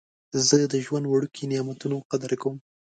زه د ژوند وړوکي نعمتونه قدر کوم.